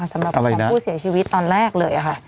อะไรนะสำหรับความพูดเสียชีวิตตอนแรกเลยค่ะ